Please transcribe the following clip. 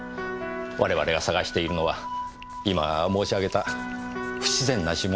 我々が探しているのは今申し上げた不自然な指紋なんですよ。